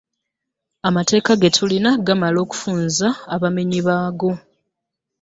Amateeka ge tulina gamala okufunza abamenyi baago.